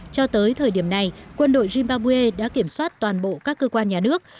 cho tới thời điểm này quân đội zimbabwe đã kiểm soát toàn bộ các cơ quan nhà nước